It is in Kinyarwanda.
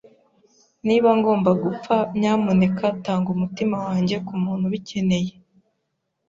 Niba ngomba gupfa, nyamuneka tanga umutima wanjye kumuntu ubikeneye.